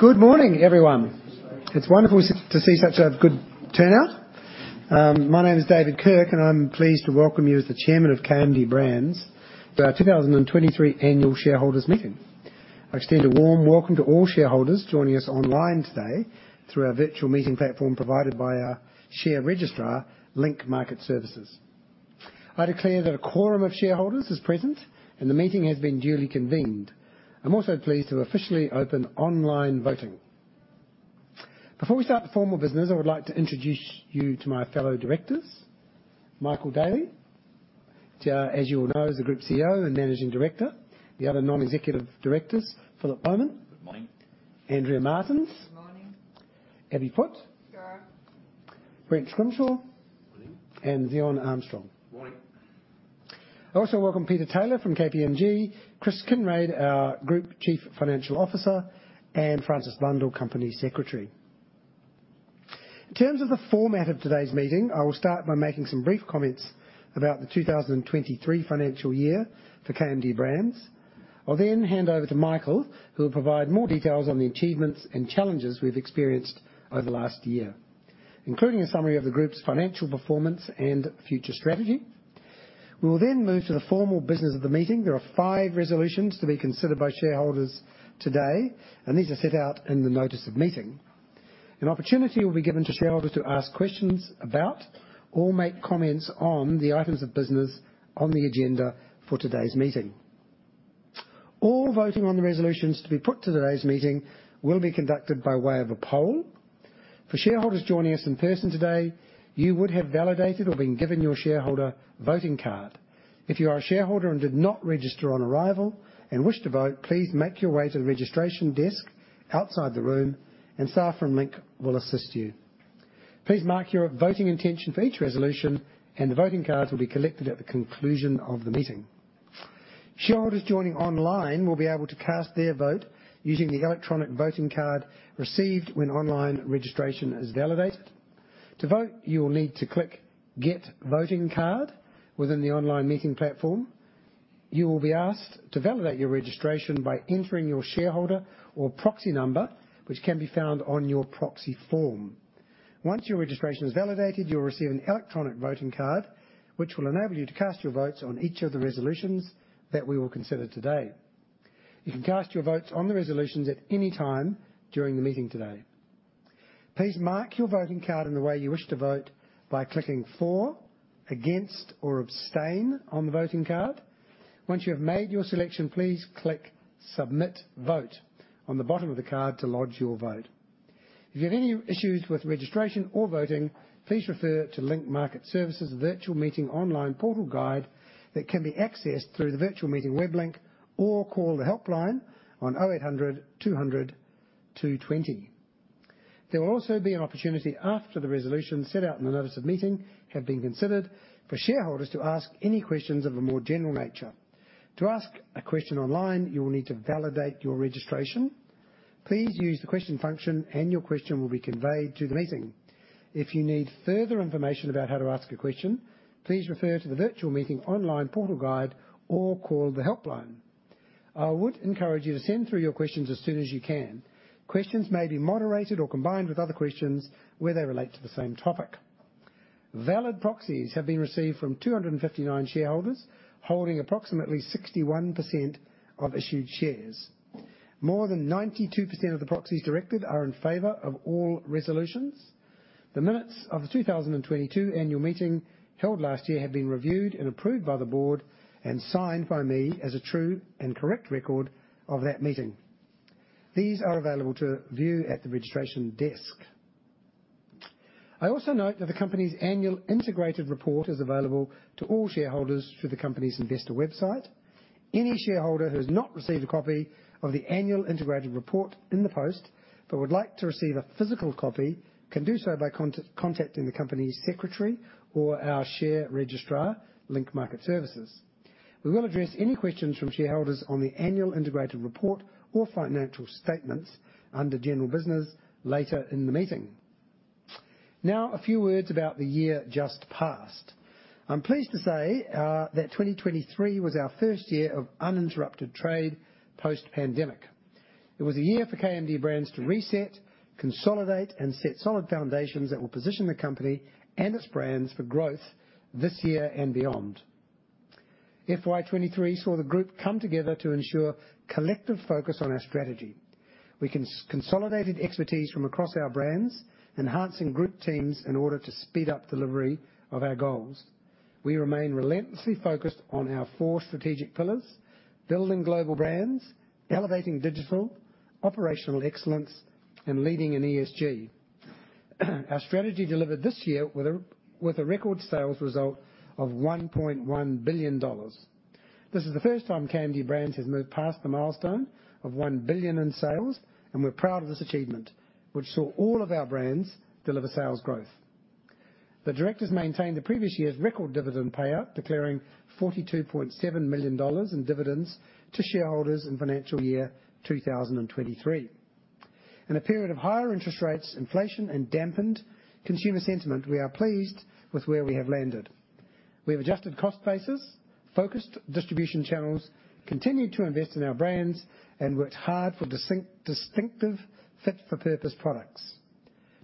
Good morning, everyone. It's wonderful to see such a good turnout. My name is David Kirk, and I'm pleased to welcome you as the Chairman of KMD Brands to our 2023 annual shareholders meeting. I extend a warm welcome to all shareholders joining us online today through our virtual meeting platform provided by our share registrar, Link Market Services. I declare that a quorum of shareholders is present, and the meeting has been duly convened. I'm also pleased to officially open online voting. Before we start the formal business, I would like to introduce you to my fellow directors, Michael Daly, who, as you all know, is the Group CEO and Managing Director. The other non-executive directors, Philip Bowman- Good morning. Andrea Martens. Good morning. Abby Foote. Hello. Brent Scrimshaw. Morning. Zion Armstrong. Morning. I also welcome Peter Taylor from KPMG, Chris Kinraid, our Group Chief Financial Officer, and Frances Blundell, Company Secretary. In terms of the format of today's meeting, I will start by making some brief comments about the 2023 financial year for KMD Brands. I'll then hand over to Michael, who will provide more details on the achievements and challenges we've experienced over the last year, including a summary of the group's financial performance and future strategy. We will then move to the formal business of the meeting. There are five resolutions to be considered by shareholders today, and these are set out in the notice of meeting. An opportunity will be given to shareholders to ask questions about or make comments on the items of business on the agenda for today's meeting. All voting on the resolutions to be put to today's meeting will be conducted by way of a poll. For shareholders joining us in person today, you would have validated or been given your shareholder voting card. If you are a shareholder and did not register on arrival and wish to vote, please make your way to the registration desk outside the room, and staff from Link will assist you. Please mark your voting intention for each resolution, and the voting cards will be collected at the conclusion of the meeting. Shareholders joining online will be able to cast their vote using the electronic voting card received when online registration is validated. To vote, you will need to click Get Voting Card within the online meeting platform. You will be asked to validate your registration by entering your shareholder or proxy number, which can be found on your proxy form. Once your registration is validated, you'll receive an electronic voting card, which will enable you to cast your votes on each of the resolutions that we will consider today. You can cast your votes on the resolutions at any time during the meeting today. Please mark your voting card in the way you wish to vote by clicking for, against, or abstain on the voting card. Once you have made your selection, please click Submit Vote on the bottom of the card to lodge your vote. If you have any issues with registration or voting, please refer to Link Market Services Virtual Meeting Online Portal Guide that can be accessed through the virtual meeting web link, or call the helpline on 0800 202 20. There will also be an opportunity after the resolution set out in the notice of meeting have been considered for shareholders to ask any questions of a more general nature. To ask a question online, you will need to validate your registration. Please use the question function, and your question will be conveyed to the meeting. If you need further information about how to ask a question, please refer to the Virtual Meeting Online Portal Guide or call the helpline. I would encourage you to send through your questions as soon as you can. Questions may be moderated or combined with other questions where they relate to the same topic. Valid proxies have been received from 259 shareholders, holding approximately 61% of issued shares. More than 92% of the proxies directed are in favor of all resolutions. The minutes of the 2022 annual meeting held last year have been reviewed and approved by the board and signed by me as a true and correct record of that meeting. These are available to view at the registration desk. I also note that the company's annual integrated report is available to all shareholders through the company's investor website. Any shareholder who has not received a copy of the annual integrated report in the post but would like to receive a physical copy, can do so by contacting the company's secretary or our share registrar, Link Market Services. We will address any questions from shareholders on the annual integrated report or financial statements under general business later in the meeting. Now, a few words about the year just passed. I'm pleased to say that 2023 was our first year of uninterrupted trade post-pandemic. It was a year for KMD Brands to reset, consolidate, and set solid foundations that will position the company and its brands for growth this year and beyond. FY 2023 saw the group come together to ensure collective focus on our strategy. We consolidated expertise from across our brands, enhancing group teams in order to speed up delivery of our goals. We remain relentlessly focused on our four strategic pillars: building global brands, elevating digital, operational excellence, and leading in ESG. Our strategy delivered this year with a record sales result of 1.1 billion dollars. This is the first time KMD Brands has moved past the milestone of 1 billion in sales, and we're proud of this achievement, which saw all of our brands deliver sales growth. The directors maintained the previous year's record dividend payout, declaring 42.7 million dollars in dividends to shareholders in financial year 2023. In a period of higher interest rates, inflation, and dampened consumer sentiment, we are pleased with where we have landed. We have adjusted cost bases, focused distribution channels, continued to invest in our brands, and worked hard for distinct, distinctive, fit-for-purpose products.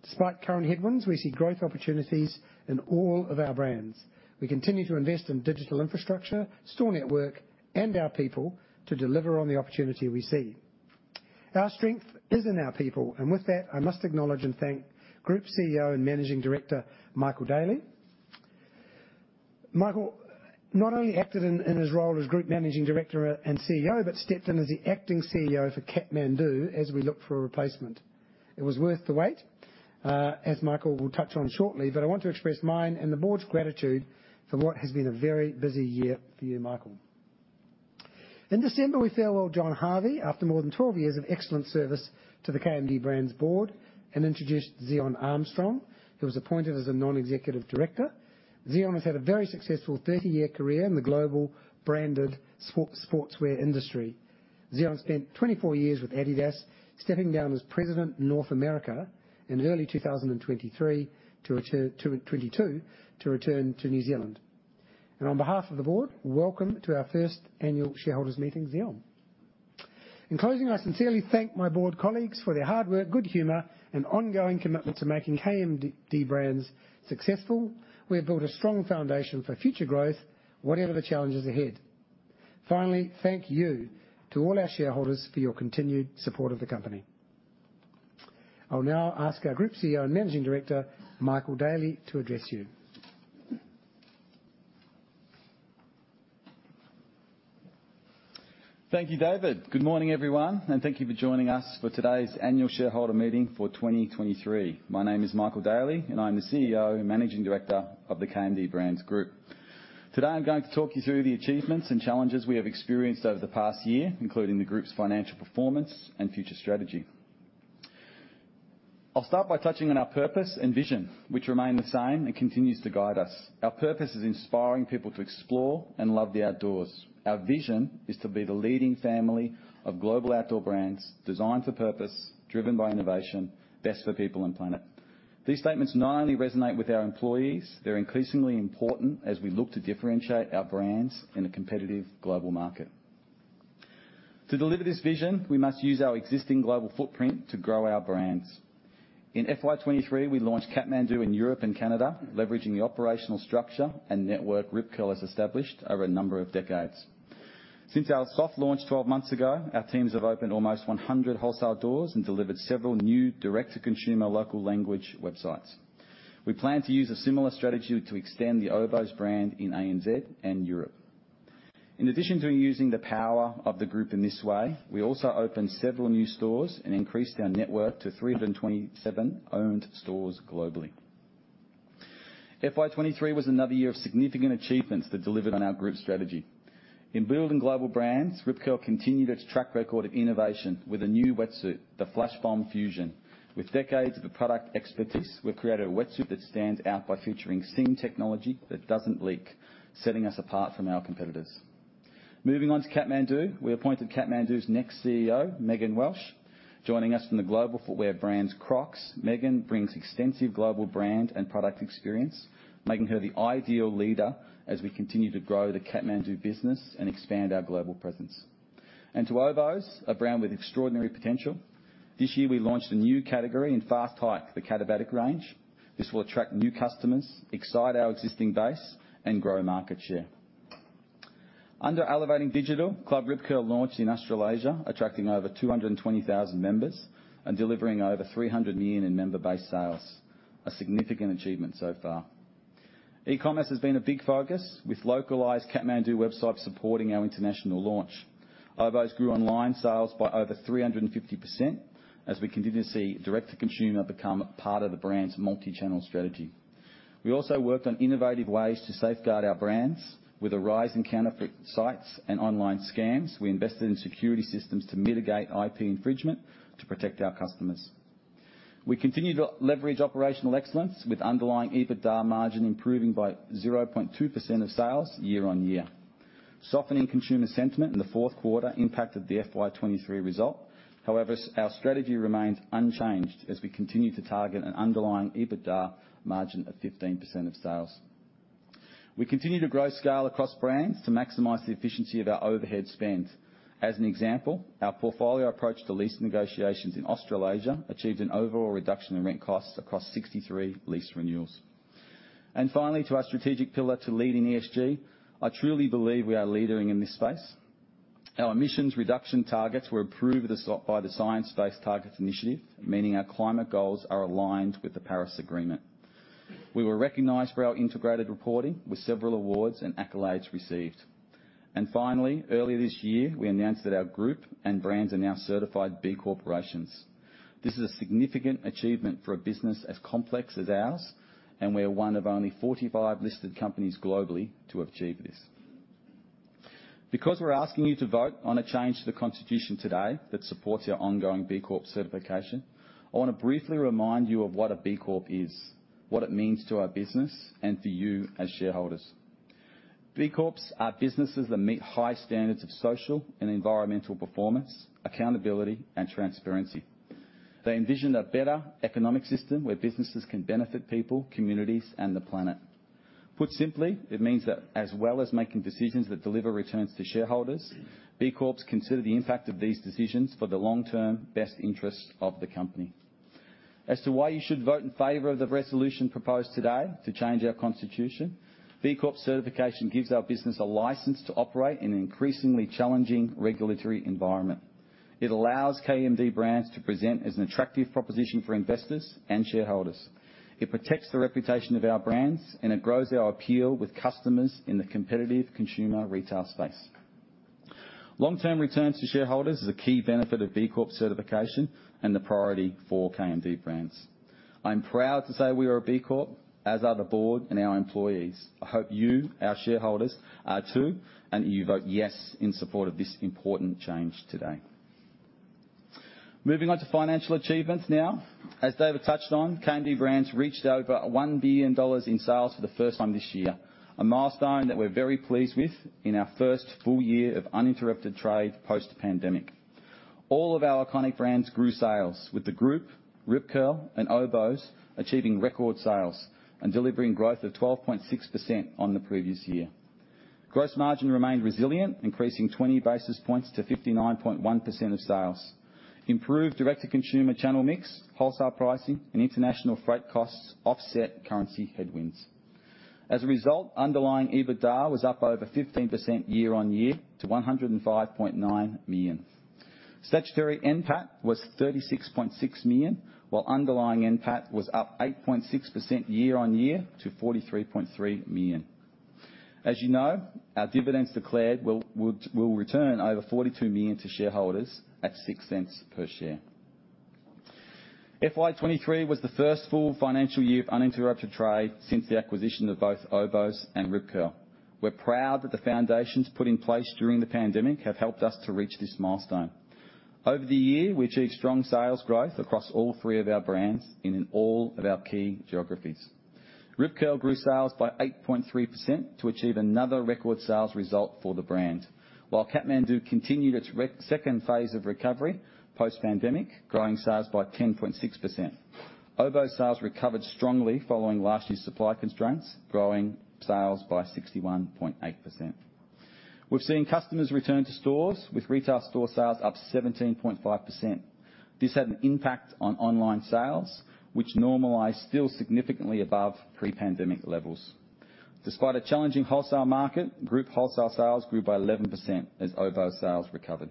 Despite current headwinds, we see growth opportunities in all of our brands. We continue to invest in digital infrastructure, store network, and our people, to deliver on the opportunity we see. Our strength is in our people, and with that, I must acknowledge and thank Group CEO and Managing Director, Michael Daly. Michael not only acted in his role as Group Managing Director and CEO, but stepped in as the acting CEO for Kathmandu as we look for a replacement. It was worth the wait, as Michael will touch on shortly, but I want to express mine and the board's gratitude for what has been a very busy year for you, Michael. In December, we farewelled John Harvey, after more than 12 years of excellent service to the KMD Brands board, and introduced Zion Armstrong, who was appointed as a non-executive director. Zion has had a very successful 30-year career in the global branded sportswear industry. Zion spent 24 years with Adidas, stepping down as President, North America in early 2022 to return to New Zealand. On behalf of the board, welcome to our first annual shareholders meeting, Zion. In closing, I sincerely thank my board colleagues for their hard work, good humor, and ongoing commitment to making KMD Brands successful. We have built a strong foundation for future growth, whatever the challenges ahead. Finally, thank you to all our shareholders for your continued support of the company. I'll now ask our Group CEO and Managing Director, Michael Daly, to address you. Thank you, David. Good morning, everyone, and thank you for joining us for today's annual shareholder meeting for 2023. My name is Michael Daly, and I'm the CEO and Managing Director of the KMD Brands Group. Today, I'm going to talk you through the achievements and challenges we have experienced over the past year, including the group's financial performance and future strategy. I'll start by touching on our purpose and vision, which remain the same and continues to guide us. Our purpose is inspiring people to explore and love the outdoors. Our vision is to be the leading family of global outdoor brands, designed for purpose, driven by innovation, best for people and planet. These statements not only resonate with our employees, they're increasingly important as we look to differentiate our brands in a competitive global market. To deliver this vision, we must use our existing global footprint to grow our brands. In FY 2023, we launched Kathmandu in Europe and Canada, leveraging the operational structure and network Rip Curl has established over a number of decades. Since our soft launch 12 months ago, our teams have opened almost 100 wholesale doors and delivered several new direct-to-consumer local language websites. We plan to use a similar strategy to extend the Oboz brand in ANZ and Europe. In addition to using the power of the group in this way, we also opened several new stores and increased our network to 327 owned stores globally. FY 2023 was another year of significant achievements that delivered on our group strategy. In building global brands, Rip Curl continued its track record of innovation with a new wetsuit, the Flashbomb Fusion. With decades of product expertise, we've created a wetsuit that stands out by featuring seam technology that doesn't leak, setting us apart from our competitors. Moving on to Kathmandu. We appointed Kathmandu's next CEO, Megan Welch. Joining us from the global footwear brand, Crocs, Megan brings extensive global brand and product experience, making her the ideal leader as we continue to grow the Kathmandu business and expand our global presence. And to Oboz, a brand with extraordinary potential. This year, we launched a new category in fast hike, the Katabatic range. This will attract new customers, excite our existing base, and grow market share. Under Elevating Digital, Club Rip Curl launched in Australasia, attracting over 220,000 members, and delivering over 300 million in member-based sales. A significant achievement so far. E-commerce has been a big focus, with localized Kathmandu websites supporting our international launch. Oboz grew online sales by over 350%, as we continue to see direct-to-consumer become a part of the brand's multi-channel strategy. We also worked on innovative ways to safeguard our brands. With a rise in counterfeit sites and online scams, we invested in security systems to mitigate IP infringement to protect our customers. We continued to leverage operational excellence with underlying EBITDA margin, improving by 0.2% of sales year-on-year. Softening consumer sentiment in the fourth quarter impacted the FY 2023 result. However, our strategy remains unchanged as we continue to target an underlying EBITDA margin of 15% of sales. We continue to grow scale across brands to maximize the efficiency of our overhead spend. As an example, our portfolio approach to lease negotiations in Australasia achieved an overall reduction in rent costs across 63 lease renewals. And finally, to our strategic pillar, to leading ESG, I truly believe we are leading in this space. Our emissions reduction targets were approved by the Science-Based Targets Initiative, meaning our climate goals are aligned with the Paris Agreement. We were recognized for our integrated reporting with several awards and accolades received. And finally, earlier this year, we announced that our group and brands are now certified B Corporations. This is a significant achievement for a business as complex as ours, and we are one of only 45 listed companies globally to achieve this. Because we're asking you to vote on a change to the constitution today that supports our ongoing B Corp certification, I want to briefly remind you of what a B Corp is, what it means to our business, and to you as shareholders. B Corps are businesses that meet high standards of social and environmental performance, accountability, and transparency. They envision a better economic system where businesses can benefit people, communities, and the planet. Put simply, it means that as well as making decisions that deliver returns to shareholders, B Corps consider the impact of these decisions for the long-term best interest of the company. As to why you should vote in favor of the resolution proposed today to change our constitution, B Corp certification gives our business a license to operate in an increasingly challenging regulatory environment. It allows KMD Brands to present as an attractive proposition for investors and shareholders. It protects the reputation of our brands, and it grows our appeal with customers in the competitive consumer retail space. Long-term returns to shareholders is a key benefit of B Corp certification and the priority for KMD Brands. I'm proud to say we are a B Corp, as are the board and our employees. I hope you, our shareholders, are, too, and that you vote yes in support of this important change today. Moving on to financial achievements now. As David touched on, KMD Brands reached over 1 billion dollars in sales for the first time this year, a milestone that we're very pleased with in our first full year of uninterrupted trade post-pandemic. All of our iconic brands grew sales, with the group, Rip Curl, and Oboz achieving record sales and delivering growth of 12.6% on the previous year. Gross margin remained resilient, increasing 20 basis points to 59.1% of sales. Improved direct-to-consumer channel mix, wholesale pricing, and international freight costs offset currency headwinds. As a result, underlying EBITDA was up over 15% year-on-year to 105.9 million. Statutory NPAT was 36.6 million, while underlying NPAT was up 8.6% year-on-year to 43.3 million. As you know, our dividends declared will return over 42 million to shareholders at 0.06 per share. FY 2023 was the first full financial year of uninterrupted trade since the acquisition of both Oboz and Rip Curl. We're proud that the foundations put in place during the pandemic have helped us to reach this milestone. Over the year, we achieved strong sales growth across all three of our brands in all of our key geographies. Rip Curl grew sales by 8.3% to achieve another record sales result for the brand. While Kathmandu continued its second phase of recovery post-pandemic, growing sales by 10.6%. Oboz sales recovered strongly following last year's supply constraints, growing sales by 61.8%. We've seen customers return to stores, with retail store sales up 17.5%. This had an impact on online sales, which normalized still significantly above pre-pandemic levels. Despite a challenging wholesale market, group wholesale sales grew by 11% as Oboz sales recovered.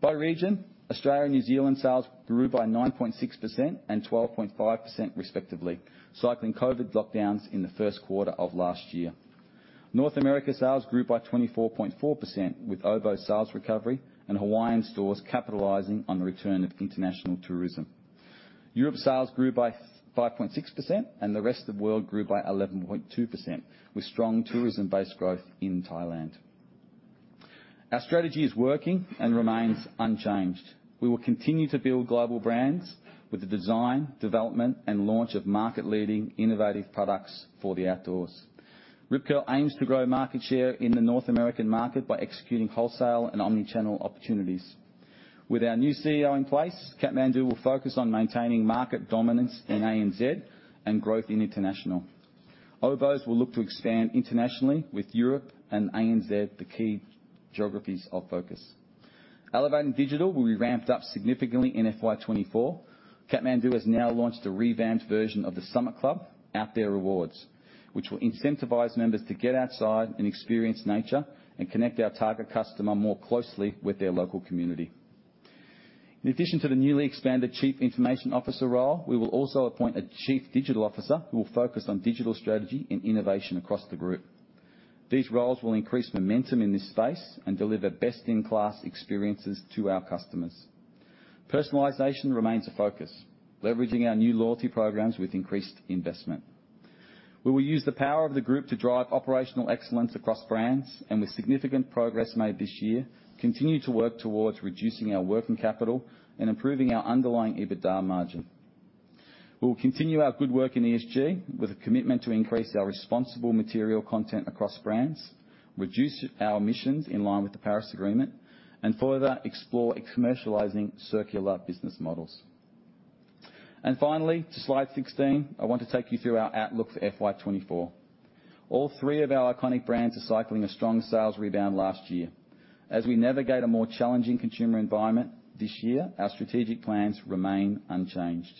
By region, Australia and New Zealand sales grew by 9.6% and 12.5%, respectively, cycling COVID lockdowns in the first quarter of last year. North America sales grew by 24.4%, with Oboz sales recovery and Hawaiian stores capitalizing on the return of international tourism. Europe sales grew by 5.6%, and the rest of the world grew by 11.2%, with strong tourism-based growth in Thailand. Our strategy is working and remains unchanged. We will continue to build global brands with the design, development, and launch of market-leading, innovative products for the outdoors. Rip Curl aims to grow market share in the North American market by executing wholesale and omni-channel opportunities. With our new CEO in place, Kathmandu will focus on maintaining market dominance in ANZ and growth in international. Oboz will look to expand internationally with Europe and ANZ, the key geographies of focus. Elevating digital will be ramped up significantly in FY 2024. Kathmandu has now launched a revamped version of the Summit Club, Out There Rewards, which will incentivize members to get outside and experience nature and connect our target customer more closely with their local community. In addition to the newly expanded Chief Information Officer role, we will also appoint a Chief Digital Officer, who will focus on digital strategy and innovation across the group. These roles will increase momentum in this space and deliver best-in-class experiences to our customers. Personalization remains a focus, leveraging our new loyalty programs with increased investment. We will use the power of the group to drive operational excellence across brands, and with significant progress made this year, continue to work towards reducing our working capital and improving our underlying EBITDA margin. We will continue our good work in ESG with a commitment to increase our responsible material content across brands, reduce our emissions in line with the Paris Agreement, and further explore commercializing circular business models. And finally, to slide 16, I want to take you through our outlook for FY 2024. All three of our iconic brands are cycling a strong sales rebound last year. As we navigate a more challenging consumer environment this year, our strategic plans remain unchanged.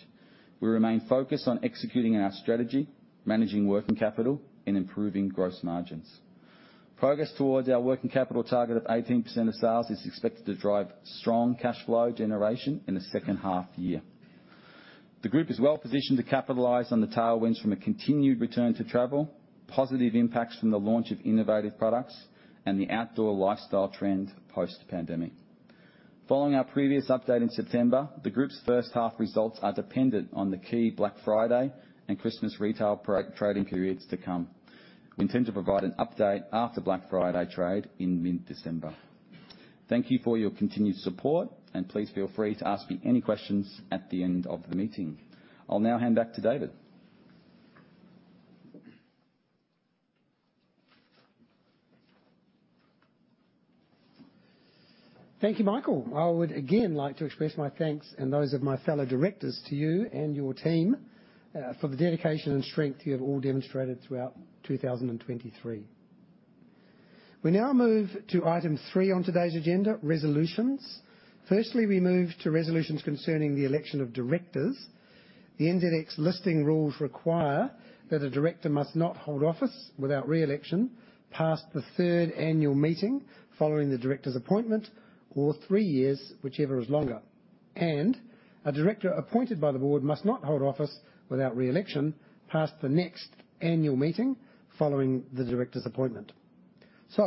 We remain focused on executing our strategy, managing working capital, and improving gross margins. Progress towards our working capital target of 18% of sales is expected to drive strong cash flow generation in the second half of the year. The group is well-positioned to capitalize on the tailwinds from a continued return to travel, positive impacts from the launch of innovative products, and the outdoor lifestyle trend post-pandemic. Following our previous update in September, the group's first half results are dependent on the key Black Friday and Christmas retail peak trading periods to come. We intend to provide an update after Black Friday trade in mid-December. Thank you for your continued support, and please feel free to ask me any questions at the end of the meeting. I'll now hand back to David.... Thank you, Michael. I would again like to express my thanks and those of my fellow directors to you and your team, for the dedication and strength you have all demonstrated throughout 2023. We now move to item three on today's agenda, resolutions. Firstly, we move to resolutions concerning the election of directors. The NZX listing rules require that a director must not hold office without re-election past the third annual meeting following the director's appointment, or three years, whichever is longer. A director appointed by the board must not hold office without re-election past the next annual meeting following the director's appointment. So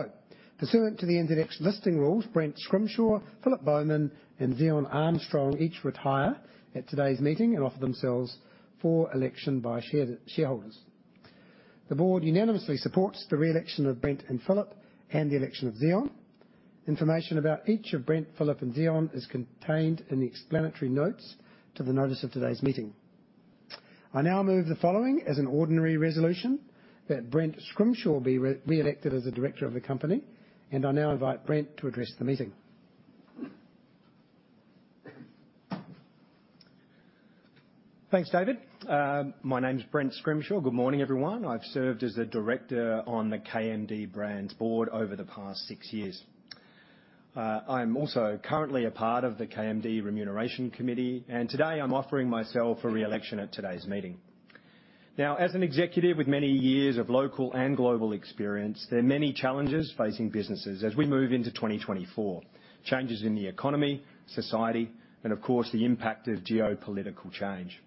pursuant to the NZX listing rules, Brent Scrimshaw, Philip Bowman, and Zion Armstrong each retire at today's meeting and offer themselves for election by shareholders. The board unanimously supports the re-election of Brent and Philip and the election of Zion. Information about each of Brent, Philip, and Zion is contained in the explanatory notes to the notice of today's meeting. I now move the following as an ordinary resolution that Brent Scrimshaw be re-re-elected as a director of the company, and I now invite Brent to address the meeting. Thanks, David. My name is Brent Scrimshaw. Good morning, everyone. I've served as a director on the KMD Brands board over the past six years. I'm also currently a part of the KMD Remuneration Committee, and today I'm offering myself for re-election at today's meeting. Now, as an executive with many years of local and global experience, there are many challenges facing businesses as we move into 2024. Changes in the economy, society, and of course, the impact of geopolitical change.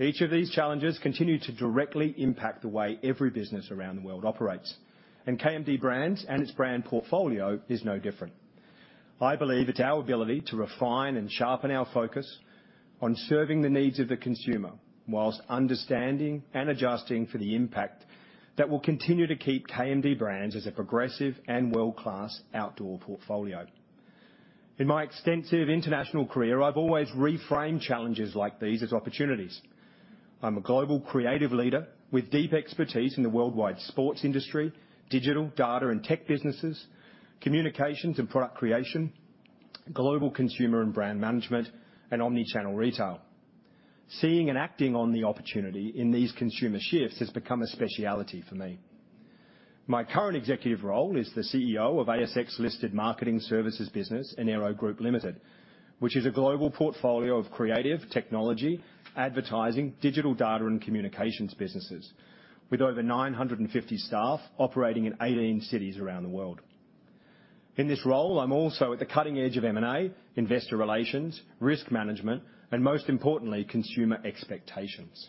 Each of these challenges continue to directly impact the way every business around the world operates, and KMD Brands and its brand portfolio is no different. I believe it's our ability to refine and sharpen our focus on serving the needs of the consumer, while understanding and adjusting for the impact, that will continue to keep KMD Brands as a progressive and world-class outdoor portfolio. In my extensive international career, I've always reframed challenges like these as opportunities. I'm a global creative leader with deep expertise in the worldwide sports industry, digital, data, and tech businesses, communications and product creation, global consumer and brand management, and omni-channel retail. Seeing and acting on the opportunity in these consumer shifts has become a specialty for me. My current executive role is the CEO of ASX-listed marketing services business, Enero Group Limited, which is a global portfolio of creative technology, advertising, digital data, and communications businesses, with over 950 staff operating in 18 cities around the world. In this role, I'm also at the cutting edge of M&A, investor relations, risk management, and most importantly, consumer expectations.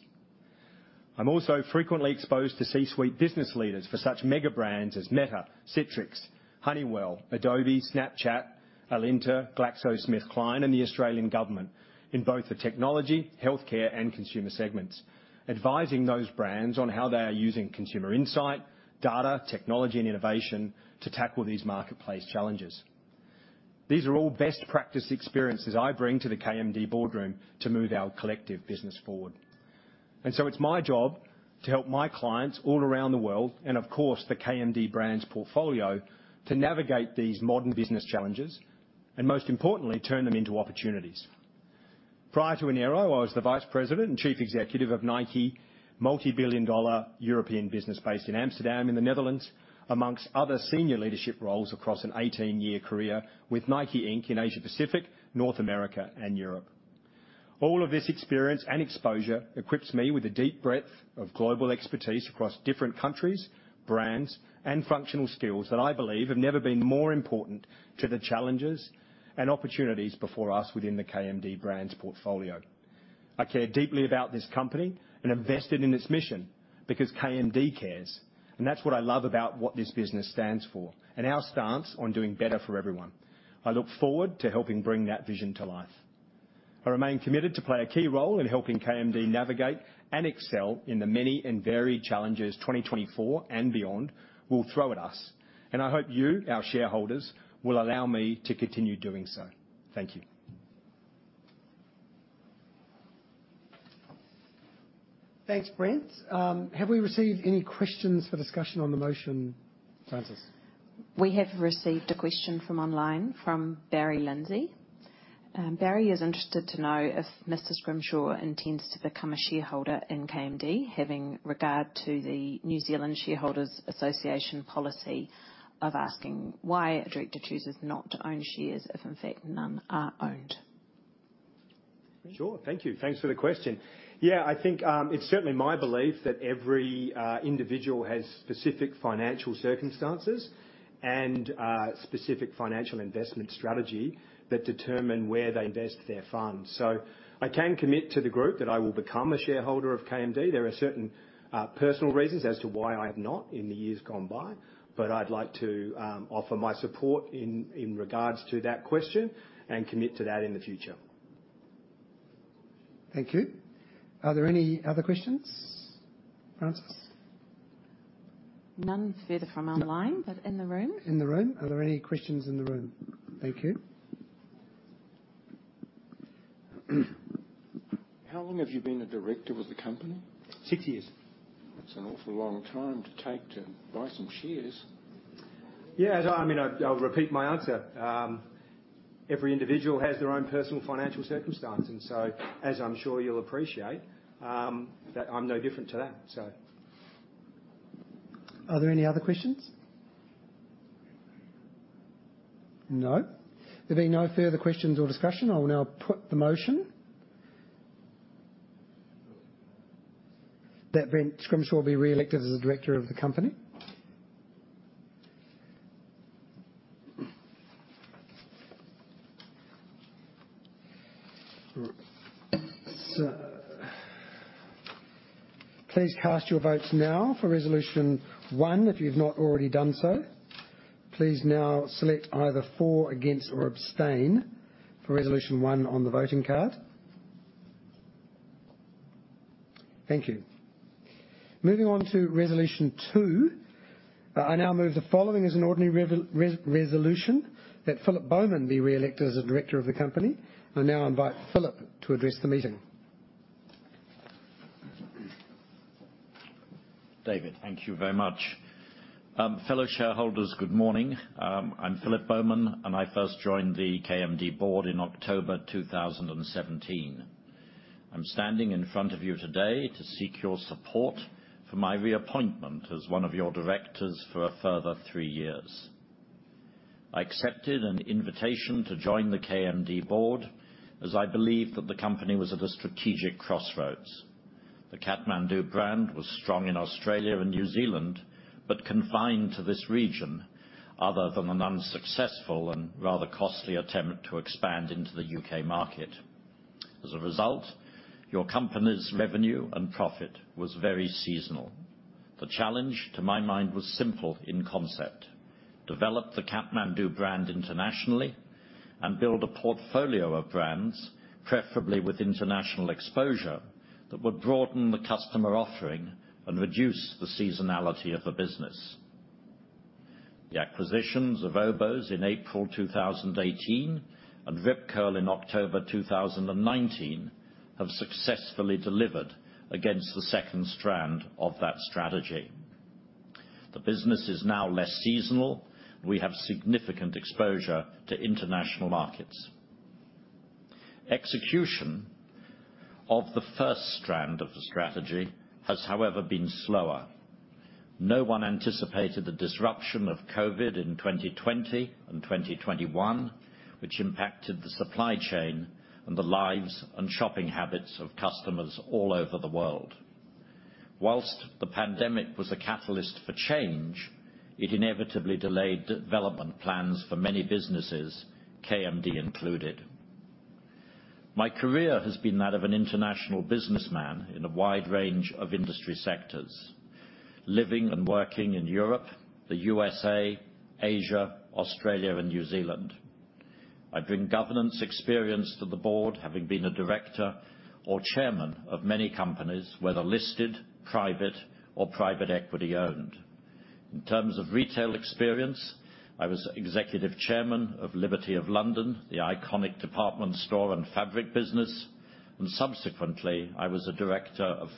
I'm also frequently exposed to C-suite business leaders for such mega brands as Meta, Citrix, Honeywell, Adobe, Snapchat, Alinta, GlaxoSmithKline, and the Australian Government, in both the technology, healthcare, and consumer segments. Advising those brands on how they are using consumer insight, data, technology, and innovation to tackle these marketplace challenges. These are all best practice experiences I bring to the KMD boardroom to move our collective business forward. And so it's my job to help my clients all around the world and, of course, the KMD Brands portfolio, to navigate these modern business challenges and most importantly, turn them into opportunities. Prior to Enero, I was the vice president and chief executive of Nike multibillion-dollar European business based in Amsterdam, in the Netherlands, amongst other senior leadership roles across an 18-year career with Nike Inc. in Asia Pacific, North America, and Europe. All of this experience and exposure equips me with a deep breadth of global expertise across different countries, brands, and functional skills that I believe have never been more important to the challenges and opportunities before us within the KMD Brands portfolio. I care deeply about this company and invested in its mission because KMD cares, and that's what I love about what this business stands for and our stance on doing better for everyone. I look forward to helping bring that vision to life. I remain committed to play a key role in helping KMD navigate and excel in the many and varied challenges 2024 and beyond will throw at us, and I hope you, our shareholders, will allow me to continue doing so. Thank you. Thanks, Brent. Have we received any questions for discussion on the motion, Frances? We have received a question from online from Barry Lindsay. Barry is interested to know if Mr. Scrimshaw intends to become a shareholder in KMD, having regard to the New Zealand Shareholders Association policy of asking why a director chooses not to own shares if in fact, none are owned. Sure. Thank you. Thanks for the question. Yeah, I think it's certainly my belief that every individual has specific financial circumstances and specific financial investment strategy that determine where they invest their funds. So I can commit to the group that I will become a shareholder of KMD. There are certain personal reasons as to why I have not in the years gone by, but I'd like to offer my support in regards to that question and commit to that in the future. Thank you. Are there any other questions, Frances? None further from online- Yeah. But in the room? In the room. Are there any questions in the room? Thank you.... How long have you been a director with the company? Six years. That's an awful long time to take to buy some shares. Yeah, as I mean, I'll repeat my answer. Every individual has their own personal financial circumstance, and so as I'm sure you'll appreciate, that I'm no different to that, so. Are there any other questions? No. There being no further questions or discussion, I will now put the motion... That Brent Scrimshaw be re-elected as a director of the company. So please cast your votes now for resolution one, if you've not already done so. Please now select either for, against, or abstain for resolution one on the voting card. Thank you. Moving on to resolution two. I now move the following as an ordinary resolution, that Philip Bowman be re-elected as a director of the company. I now invite Philip to address the meeting. David, thank you very much. Fellow shareholders, good morning. I'm Philip Bowman, and I first joined the KMD board in October 2017. I'm standing in front of you today to seek your support for my reappointment as one of your directors for a further three years. I accepted an invitation to join the KMD board, as I believed that the company was at a strategic crossroads. The Kathmandu brand was strong in Australia and New Zealand, but confined to this region, other than an unsuccessful and rather costly attempt to expand into the U.K. market. As a result, your company's revenue and profit was very seasonal. The challenge, to my mind, was simple in concept: develop the Kathmandu brand internationally and build a portfolio of brands, preferably with international exposure, that would broaden the customer offering and reduce the seasonality of the business. The acquisitions of Oboz in April 2018 and Rip Curl in October 2019 have successfully delivered against the second strand of that strategy. The business is now less seasonal. We have significant exposure to international markets. Execution of the first strand of the strategy has, however, been slower. No one anticipated the disruption of COVID in 2020 and 2021, which impacted the supply chain and the lives and shopping habits of customers all over the world. While the pandemic was a catalyst for change, it inevitably delayed development plans for many businesses, KMD included. My career has been that of an international businessman in a wide range of industry sectors, living and working in Europe, the USA, Asia, Australia, and New Zealand. I bring governance experience to the board, having been a director or chairman of many companies, whether listed, private, or private equity-owned. In terms of retail experience, I was executive chairman of Liberty of London, the iconic department store and fabric business, and subsequently, I was a director of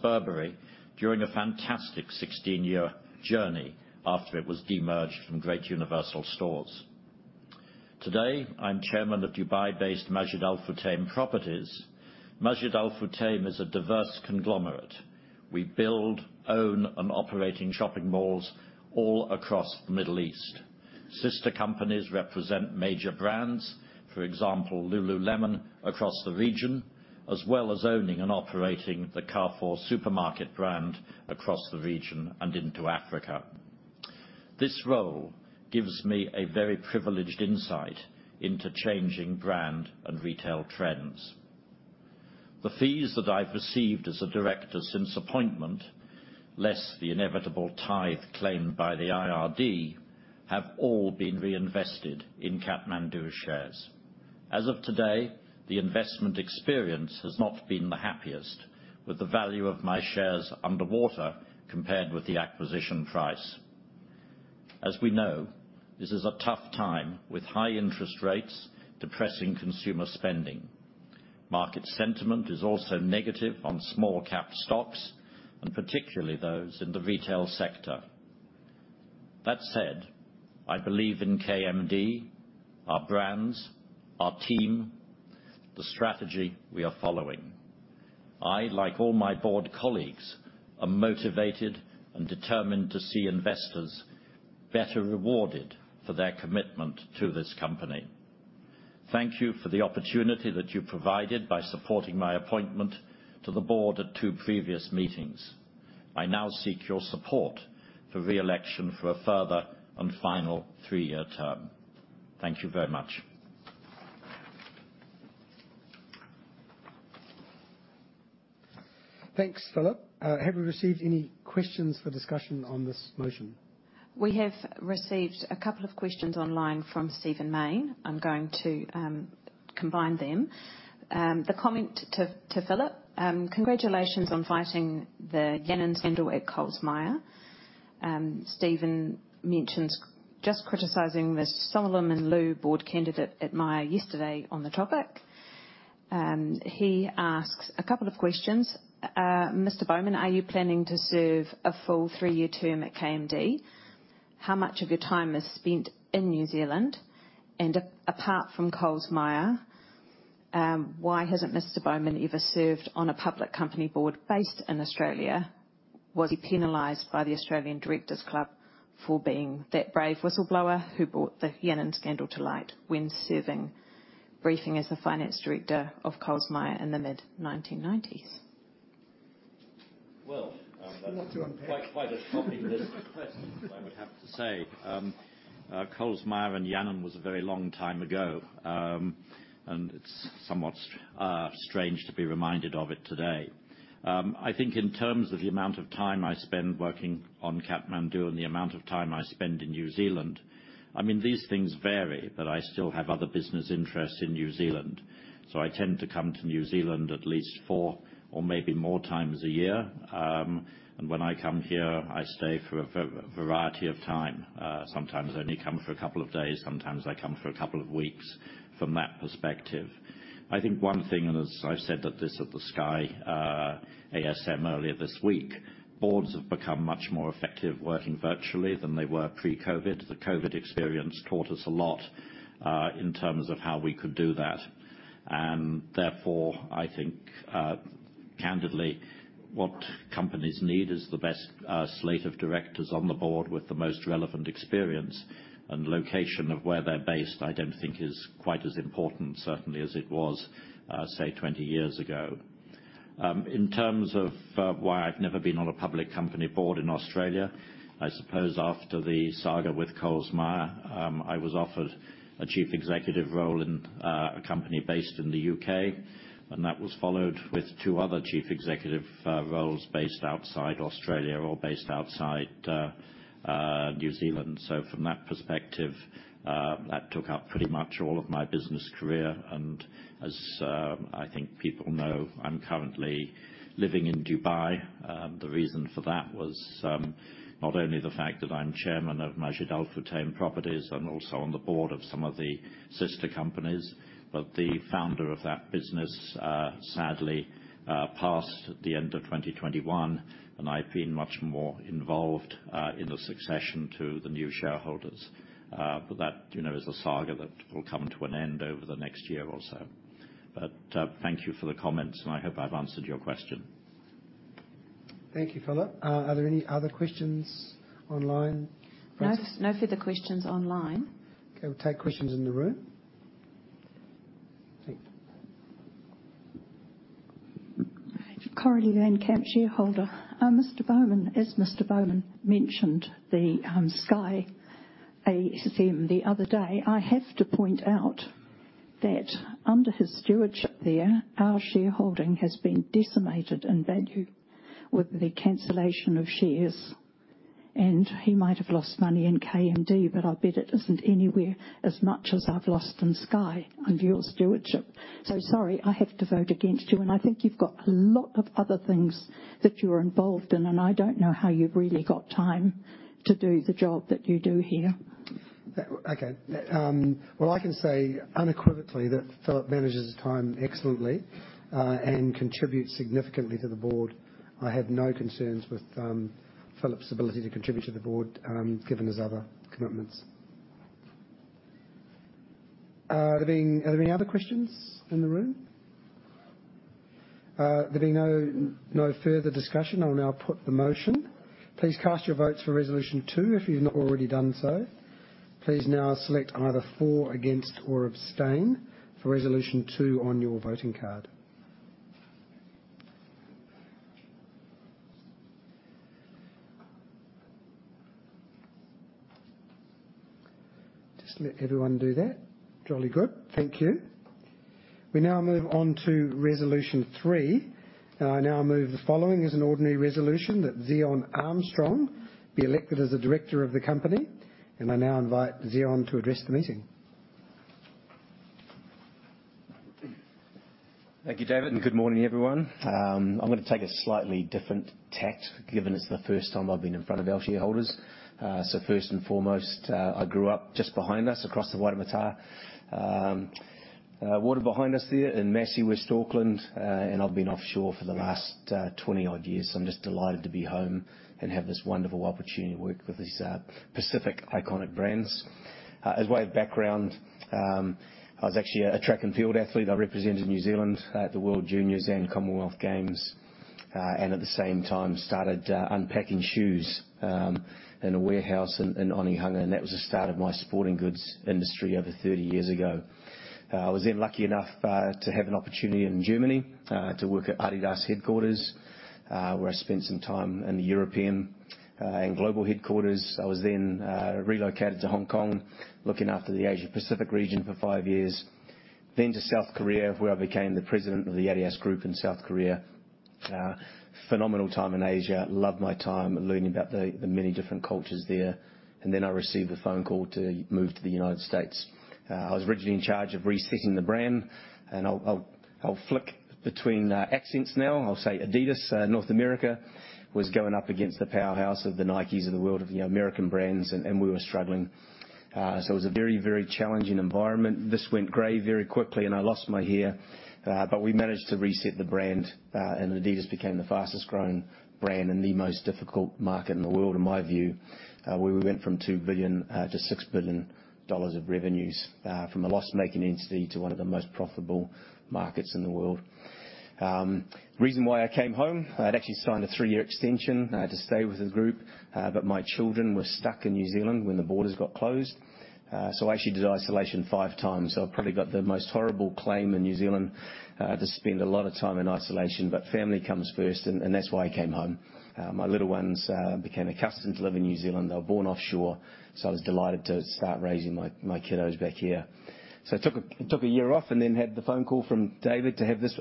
Burberry during a fantastic 16-year journey after it was de-merged from Great Universal Stores. Today, I'm chairman of Dubai-based Majid Al Futtaim Properties. Majid Al Futtaim is a diverse conglomerate. We build, own, and operate in shopping malls all across the Middle East. Sister companies represent major brands, for example, Lululemon, across the region, as well as owning and operating the Carrefour supermarket brand across the region and into Africa. This role gives me a very privileged insight into changing brand and retail trends. The fees that I've received as a director since appointment, less the inevitable tithe claimed by the IRD, have all been reinvested in Kathmandu shares. As of today, the investment experience has not been the happiest, with the value of my shares underwater compared with the acquisition price. As we know, this is a tough time, with high interest rates depressing consumer spending. Market sentiment is also negative on small cap stocks, and particularly those in the retail sector. That said, I believe in KMD, our brands, our team, the strategy we are following. I, like all my board colleagues, are motivated and determined to see investors better rewarded for their commitment to this company. Thank you for the opportunity that you provided by supporting my appointment to the board at two previous meetings. I now seek your support for re-election for a further and final three-year term. Thank you very much. Thanks, Philip. Have we received any questions for discussion on this motion? We have received a couple of questions online from Stephen Mayne. I'm going to combine them. The comment to Philip: Congratulations on fighting the Yannon scandal at Coles Myer. Stephen mentions just criticizing the Solomon Lew board candidate at Myer yesterday on the topic. He asks a couple of questions. "Mr. Bowman, are you planning to serve a full three-year term at KMD? How much of your time is spent in New Zealand? And apart from Coles Myer, why hasn't Mr. Bowman ever served on a public company board based in Australia? Was he penalized by the Australian Directors Club for being that brave whistleblower who brought the Yannon scandal to light when serving as the finance director of Coles Myer in the mid-1990s? Well, um- A lot to unpack. Quite, quite a topical list of questions, I would have to say. Coles Myer and Yannon was a very long time ago, and it's somewhat strange to be reminded of it today. I think in terms of the amount of time I spend working on Kathmandu and the amount of time I spend in New Zealand, I mean, these things vary, but I still have other business interests in New Zealand, so I tend to come to New Zealand at least four or maybe more times a year. And when I come here, I stay for a variety of time. Sometimes I only come for a couple of days, sometimes I come for a couple of weeks, from that perspective. I think one thing, and as I've said at this, at the Sky ASM earlier this week, boards have become much more effective working virtually than they were pre-COVID. The COVID experience taught us a lot in terms of how we could do that. And therefore, I think candidly, what companies need is the best slate of directors on the board with the most relevant experience. And location of where they're based, I don't think is quite as important, certainly as it was, say, 20 years ago. In terms of why I've never been on a public company board in Australia, I suppose after the saga with Coles Myer, I was offered a chief executive role in a company based in the U.K., and that was followed with two other chief executive roles based outside Australia or based outside New Zealand. So from that perspective, that took up pretty much all of my business career. And as I think people know, I'm currently living in Dubai. The reason for that was not only the fact that I'm Chairman of Majid Al Futtaim Properties and also on the board of some of the sister companies, but the founder of that business sadly passed at the end of 2021, and I've been much more involved in the succession to the new shareholders. But that, you know, is a saga that will come to an end over the next year or so. But, thank you for the comments, and I hope I've answered your question. Thank you, Philip. Are there any other questions online? No, no further questions online. Okay, we'll take questions in the room. Thank you. Coralie Anne Camp, shareholder. Mr. Bowman, as Mr. Bowman mentioned, the Sky AGM the other day, I have to point out that under his stewardship there, our shareholding has been decimated in value with the cancellation of shares, and he might have lost money in KMD, but I bet it isn't anywhere as much as I've lost in Sky under your stewardship. So sorry, I have to vote against you, and I think you've got a lot of other things that you are involved in, and I don't know how you've really got time to do the job that you do here. Okay. Well, I can say unequivocally that Philip manages his time excellently, and contributes significantly to the board. I have no concerns with Philip's ability to contribute to the board, given his other commitments. Are there any other questions in the room? There being no further discussion, I will now put the motion. Please cast your votes for resolution two, if you've not already done so. Please now select either for, against, or abstain for resolution two on your voting card. Just let everyone do that. Jolly good. Thank you. We now move on to resolution three. I now move the following as an ordinary resolution that Zion Armstrong be elected as a director of the company, and I now invite Zion to address the meeting. Thank you, David, and good morning, everyone. I'm going to take a slightly different tack, given it's the first time I've been in front of our shareholders. So first and foremost, I grew up just behind us, across the Waitemata, water behind us there in Massey, West Auckland, and I've been offshore for the last 20-odd years. I'm just delighted to be home and have this wonderful opportunity to work with these Pacific iconic brands. By way of background, I was actually a track and field athlete. I represented New Zealand at the World Juniors and Commonwealth Games, and at the same time started unpacking shoes in a warehouse in Onehunga, and that was the start of my sporting goods industry over 30 years ago. I was then lucky enough to have an opportunity in Germany to work at Adidas headquarters, where I spent some time in the European and global headquarters. I was then relocated to Hong Kong, looking after the Asia Pacific region for five years, then to South Korea, where I became the president of the Adidas Group in South Korea. Phenomenal time in Asia. Loved my time learning about the many different cultures there. And then I received a phone call to move to the United States. I was originally in charge of resetting the brand, and I'll, I'll, I'll flick between accents now. I'll say Adidas North America was going up against the powerhouse of the Nikes of the world, of the American brands, and we were struggling... so it was a very, very challenging environment. This went gray very quickly, and I lost my hair. But we managed to reset the brand, and Adidas became the fastest growing brand in the most difficult market in the world, in my view. We went from $2 billion to $6 billion of revenues, from a loss-making entity to one of the most profitable markets in the world. Reason why I came home, I'd actually signed a three-year extension to stay with the group. But my children were stuck in New Zealand when the borders got closed. So I actually did isolation five times. So I've probably got the most horrible claim in New Zealand to spend a lot of time in isolation. But family comes first, and, and that's why I came home. My little ones became accustomed to living in New Zealand. They were born offshore, so I was delighted to start raising my kiddos back here. So I took a year off and then had the phone call from David to have this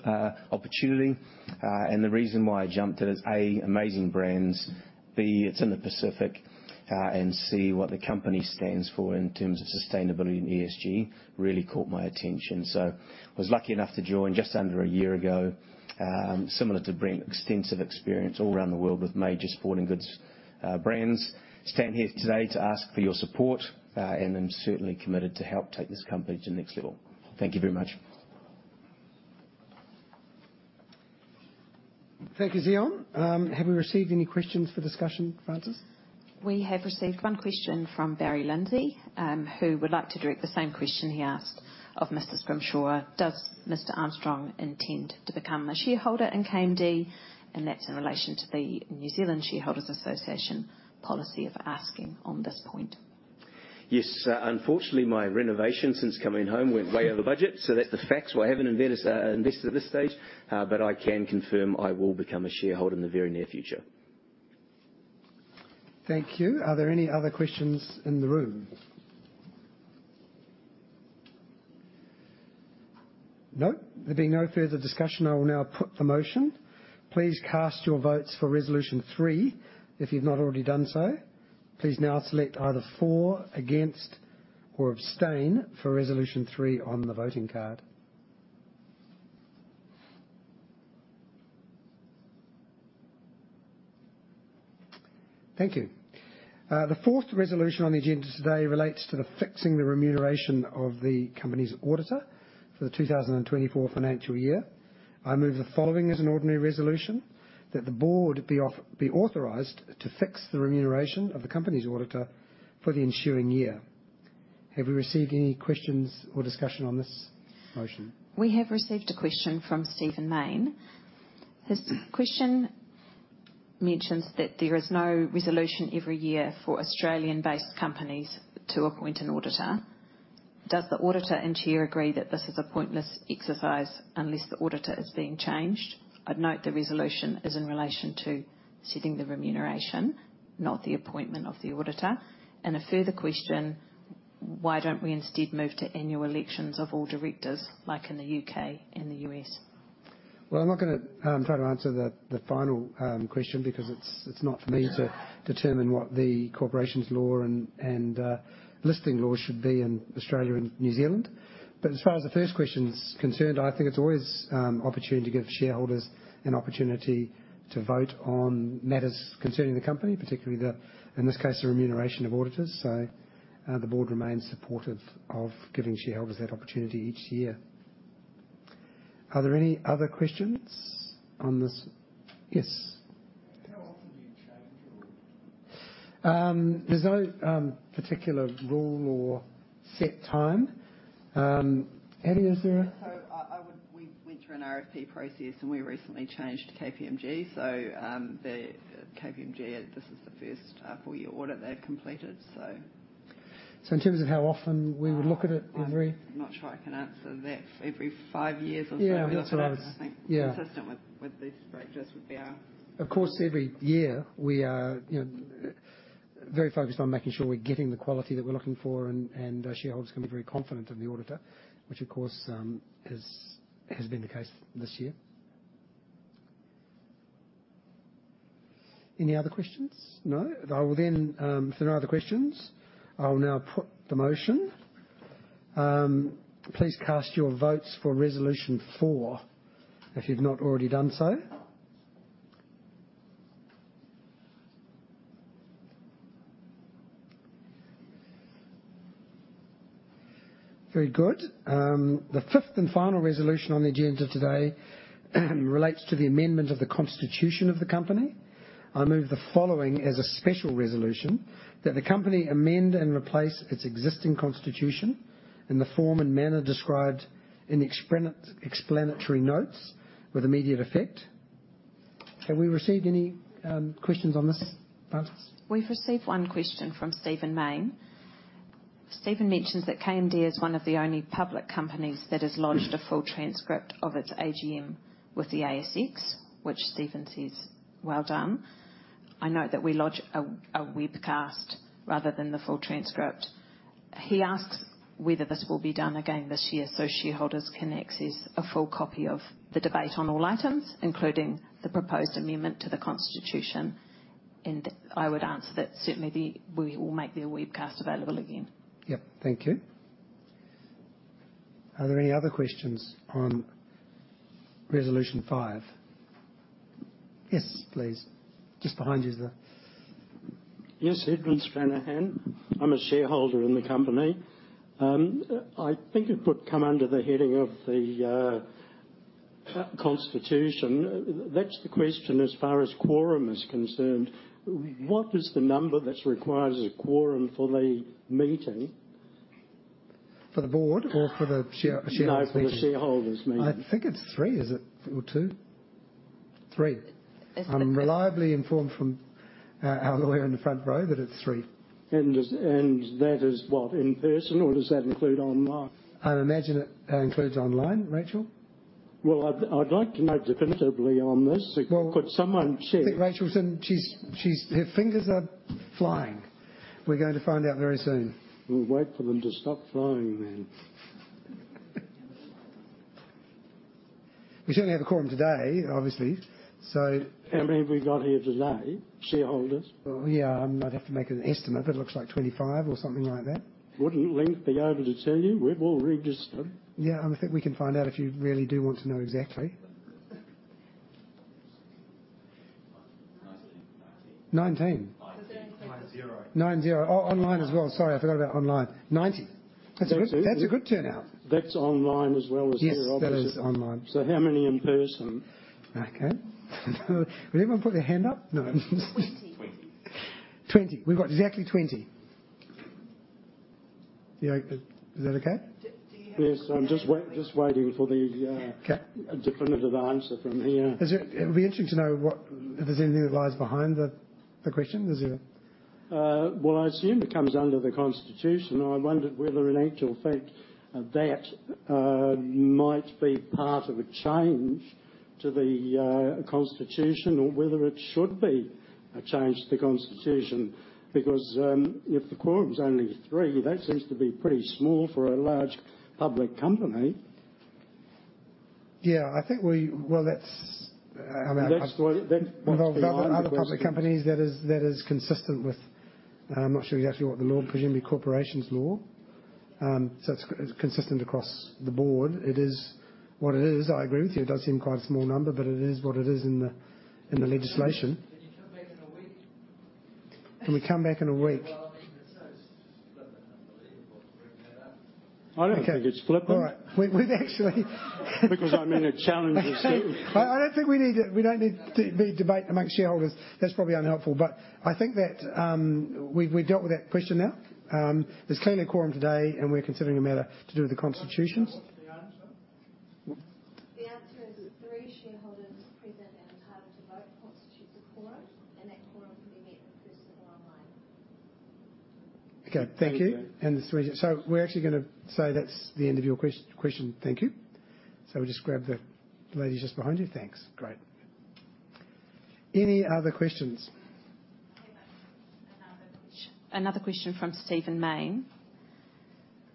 opportunity. And the reason why I jumped it is, A, amazing brands. B, it's in the Pacific. And C, what the company stands for in terms of sustainability, and ESG really caught my attention. So I was lucky enough to join just under a year ago. Similar to bring extensive experience all around the world with major sporting goods brands. Standing here today to ask for your support, and I'm certainly committed to help take this company to the next level. Thank you very much. Thank you, Zion. Have we received any questions for discussion, Frances? We have received one question from Barry Lindsay, who would like to direct the same question he asked of Mr. Scrimshaw. Does Mr. Armstrong intend to become a shareholder in KMD? That's in relation to the New Zealand Shareholders Association policy of asking on this point. Yes. Unfortunately, my renovation since coming home went way over budget, so that's the facts. Why I haven't invested, invested at this stage, but I can confirm I will become a shareholder in the very near future. Thank you. Are there any other questions in the room? No. There being no further discussion, I will now put the motion. Please cast your votes for resolution three, if you've not already done so. Please now select either for, against, or abstain for resolution three on the voting card. Thank you. The fourth resolution on the agenda today relates to the fixing the remuneration of the company's auditor for the 2024 financial year. I move the following as an ordinary resolution, that the board be authorized to fix the remuneration of the company's auditor for the ensuing year. Have we received any questions or discussion on this motion? We have received a question from Stephen Main. His question mentions that there is no resolution every year for Australian-based companies to appoint an auditor. Does the auditor and chair agree that this is a pointless exercise unless the auditor is being changed? I'd note the resolution is in relation to setting the remuneration, not the appointment of the auditor. A further question, why don't we instead move to annual elections of all directors, like in the U.K. and the U.S.? Well, I'm not gonna try to answer the final question because it's not for me to determine what the corporations law and listing laws should be in Australia and New Zealand. But as far as the first question is concerned, I think it's always opportunity to give shareholders an opportunity to vote on matters concerning the company, particularly in this case, the remuneration of auditors. So, the board remains supportive of giving shareholders that opportunity each year. Are there any other questions on this? Yes. How often do you change your auditor? There's no particular rule or set time. Annie, is there? We went through an RFP process, and we recently changed to KPMG. So, the KPMG, this is the first full year audit they've completed, so. In terms of how often we would look at it, every- I'm not sure I can answer that. Every five years or so- Yeah, that's about- I think. Yeah. Consistent with this practice would be our- Of course, every year we are, you know, very focused on making sure we're getting the quality that we're looking for and, and our shareholders can be very confident in the auditor, which of course, has, has been the case this year. Any other questions? No. I will then. If there are no other questions, I will now put the motion. Please cast your votes for resolution four, if you've not already done so. Very good. The fifth and final resolution on the agenda today relates to the amendment of the constitution of the company. I move the following as a special resolution, that the company amend and replace its existing constitution in the form and manner described in explanatory notes with immediate effect. Have we received any questions on this, Frances? We've received one question from Stephen Main. Stephen mentions that KMD is one of the only public companies that has lodged a full transcript of its AGM with the ASX, which Stephen says, "Well done." I note that we lodge a webcast rather than the full transcript. He asks whether this will be done again this year so shareholders can access a full copy of the debate on all items, including the proposed amendment to the Constitution. And I would answer that certainly, we will make the webcast available again. Yep. Thank you... Are there any other questions on Resolution five? Yes, please. Just behind you is the- Yes, Edward Stranahan. I'm a shareholder in the company. I think it would come under the heading of the constitution. That's the question as far as quorum is concerned. What is the number that's required as a quorum for the meeting? For the board or for the shareholders meeting? No, for the shareholders meeting. I think it's three, is it? Or two. Three. It's- I'm reliably informed from, our lawyer in the front row that it's three. Is that in person, or does that include online? I would imagine it, that includes online. Rachel? Well, I'd like to know definitively on this. Well- Could someone check? I think Rachel said she's... Her fingers are flying. We're going to find out very soon. We'll wait for them to stop flying then. We certainly have a quorum today, obviously, so. How many have we got here today? Shareholders. Well, yeah, I'm gonna have to make an estimate, but it looks like 25 or something like that. Wouldn't Link be able to tell you? We're all registered. Yeah, I think we can find out if you really do want to know exactly. 19. 19. 19? 90. 90. Oh, online as well. Sorry, I forgot about online. 90. That's a good, that's a good turnout. That's online as well as here, obviously. Yes, that is online. How many in person? Okay. Would anyone put their hand up? No. 20. 20. 20. We've got exactly 20. Yeah. Is that okay? Do you have- Yes, I'm just waiting for the, Okay. a definitive answer from here. It'd be interesting to know what, if there's anything that lies behind the question. Is there- Well, I assume it comes under the constitution. I wondered whether in actual fact that might be part of a change to the constitution, or whether it should be a change to the constitution. Because if the quorum is only three, that seems to be pretty small for a large public company. Yeah, I think we... Well, that's, I mean- That's what, that's what's behind the question. Other public companies, that is, that is consistent with, I'm not sure exactly what the law, presumably corporations law. So it's, it's consistent across the board. It is what it is. I agree with you, it does seem quite a small number, but it is what it is in the, in the legislation. Can you come back in a week? Can we come back in a week? Well, I mean, it's so flippant, unbelievable to bring that up. I don't think it's flippant. Okay. All right. We've actually, Because I'm in a challenging state. I don't think we need to debate amongst shareholders. That's probably unhelpful, but I think that we've dealt with that question now. There's clearly a quorum today, and we're considering a matter to do with the constitution. What's the answer? The answer is that three shareholders present and entitled to vote constitutes a quorum, and that quorum can be met in person or online. Okay, thank you. Thank you. So we're actually gonna say that's the end of your question. Thank you. So we'll just grab the lady just behind you. Thanks. Great. Any other questions? Another question, another question from Stephen Main: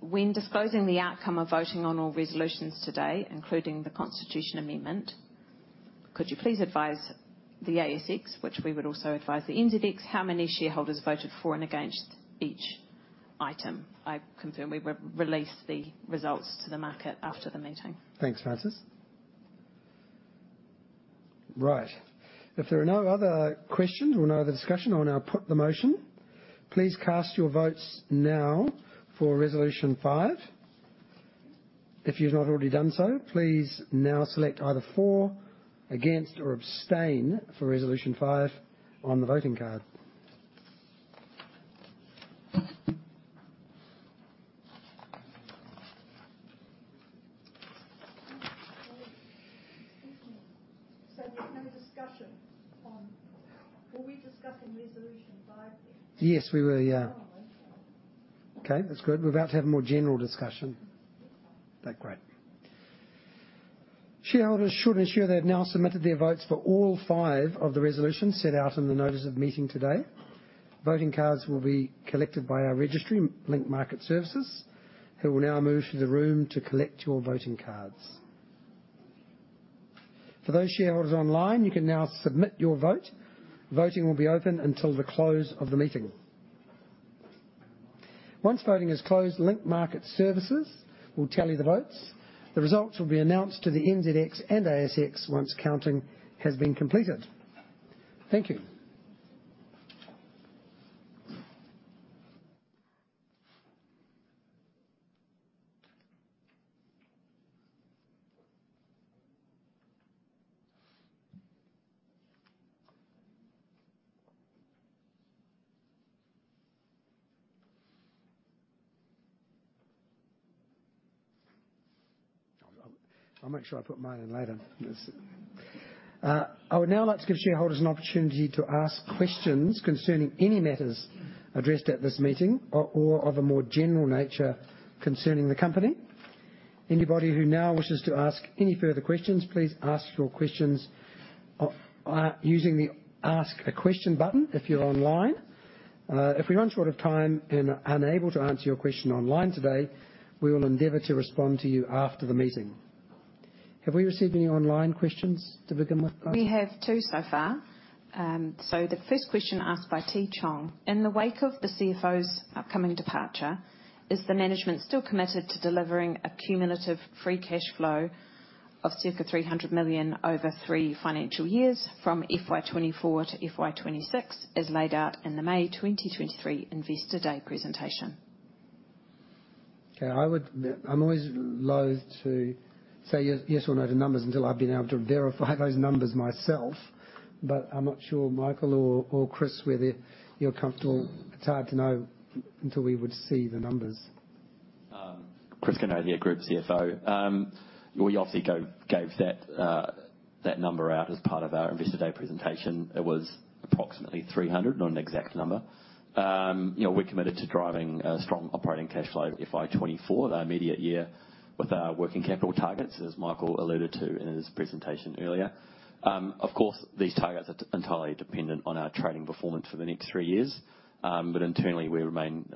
When disclosing the outcome of voting on all resolutions today, including the constitution amendment, could you please advise the ASX, which we would also advise the NZX, how many shareholders voted for and against each item? I confirm we will release the results to the market after the meeting. Thanks, Frances. Right. If there are no other questions or no other discussion, I will now put the motion. Please cast your votes now for Resolution five. If you've not already done so, please now select either for, against, or abstain for Resolution five on the voting card. There's no discussion on... Were we discussing Resolution five then? Yes, we were, yeah. Oh, okay. Okay, that's good. We're about to have a more general discussion. Yes. Okay, great. Shareholders should ensure they have now submitted their votes for all five of the resolutions set out in the notice of meeting today. Voting cards will be collected by our registry, Link Market Services, who will now move to the room to collect your voting cards. For those shareholders online, you can now submit your vote. Voting will be open until the close of the meeting. Once voting is closed, Link Market Services will tally the votes. The results will be announced to the NZX and ASX once counting has been completed. Thank you. I'll make sure I put mine in later. I would now like to give shareholders an opportunity to ask questions concerning any matters addressed at this meeting or of a more general nature concerning the company. Anybody who now wishes to ask any further questions, please ask your questions, using the Ask a Question button if you're online. If we run short of time and are unable to answer your question online today, we will endeavor to respond to you after the meeting. Have we received any online questions to begin with? We have two so far. So the first question asked by Ti Chong: In the wake of the CFO's upcoming departure, is the management still committed to delivering a cumulative free cash flow of circa 300 million over three financial years from FY 2024 to FY 2026, as laid out in the May 2023 Investor Day presentation? Okay. I would- I'm always loath to say yes or no to numbers until I've been able to verify those numbers myself. But I'm not sure, Michael or Chris, whether you're comfortable. It's hard to know until we would see the numbers. Chris Kinraid, Group CFO. We obviously gave that number out as part of our Investor Day presentation. It was approximately 300, not an exact number. You know, we're committed to driving a strong operating cash flow, FY 2024, our immediate year, with our working capital targets, as Michael alluded to in his presentation earlier. Of course, these targets are entirely dependent on our trading performance for the next three years. But internally, we remain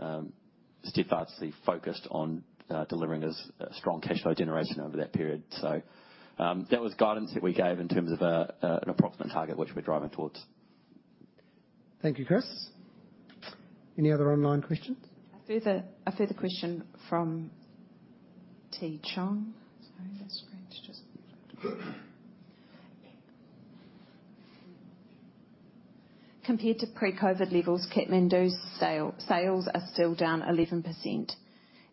steadfastly focused on delivering a strong cash flow generation over that period. So, that was guidance that we gave in terms of an approximate target, which we're driving towards. Thank you, Chris. Any other online questions? A further question from Ti Chong. Compared to pre-COVID levels, Kathmandu's sales are still down 11%,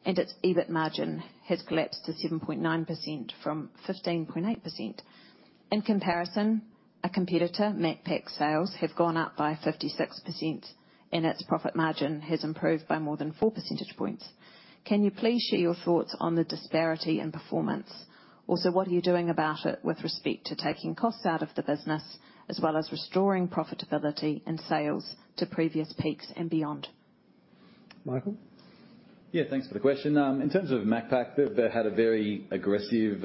and its EBIT margin has collapsed to 7.9% from 15.8%. In comparison, a competitor, Macpac sales, have gone up by 56%, and its profit margin has improved by more than four percentage points. Can you please share your thoughts on the disparity in performance? Also, what are you doing about it with respect to taking costs out of the business, as well as restoring profitability and sales to previous peaks and beyond? Michael? Yeah, thanks for the question. In terms of Macpac, they've, they had a very aggressive